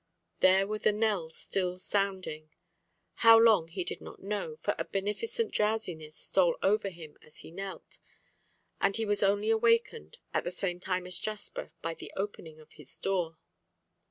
There were the knells still sounding. How long he did not know, for a beneficent drowsiness stole over him as he knelt, and he was only awakened, at the same time as Jasper, by the opening of his door.